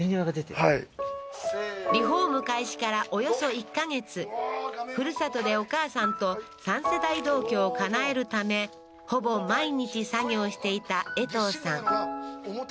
はいリフォーム開始からおよそ１か月ふるさとでお母さんと３世代同居をかなえるためほぼ毎日作業していたえとうさん